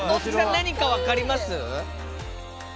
何か分かります？